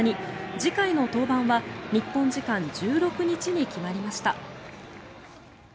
次回の登板は日本時間１６日に決まりました。